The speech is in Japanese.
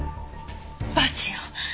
罰よ。